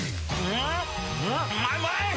うまい！